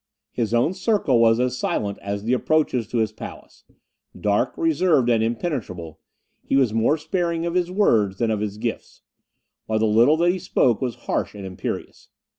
His own circle was as silent as the approaches to his palace; dark, reserved, and impenetrable, he was more sparing of his words than of his gifts; while the little that he spoke was harsh and imperious.